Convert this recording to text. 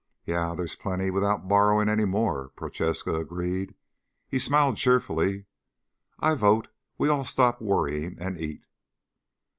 "Yeah, there's plenty without borrowing any more," Prochaska agreed. He smiled cheerfully. "I vote we all stop worrying and eat."